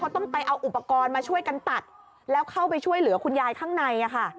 ต้องไปเอาอุปกรณ์มาช่วยกันตัดแล้วเข้าไปช่วยเหลือคุณยายข้างในค่ะ